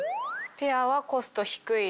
「ペア」はコスト低い。